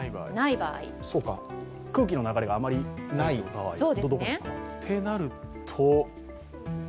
空気の流れがあまりない場合となると。